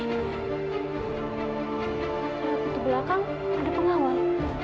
lalu di belakang ada pengawal